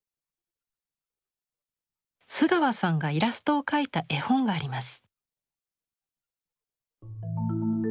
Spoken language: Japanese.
須川さんがイラストを描いた絵本があります。